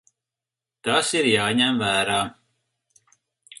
Tas ir jāņem vērā.